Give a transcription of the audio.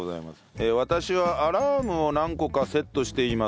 私はアラームを何個かセットしています。